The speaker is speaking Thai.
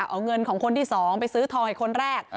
เอาเงินของคนที่๒ไปซื้อทองให้คนแรก